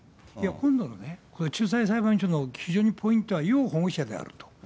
いや、今度のね、仲裁裁判所の基準のポイントは要保護者であると。